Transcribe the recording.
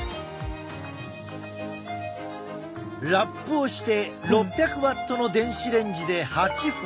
ラップをして６００ワットの電子レンジで８分。